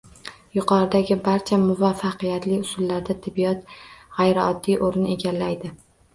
Yuqoridagi barcha muvaffaqiyatli usullarda tibbiyot g'ayrioddiy o'rin egallaydi